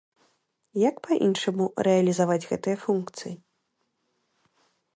Як па-іншаму рэалізаваць гэтыя функцыі?